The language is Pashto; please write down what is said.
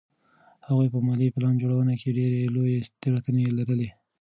هغوی په مالي پلان جوړونه کې ډېرې لویې تېروتنې لرلې.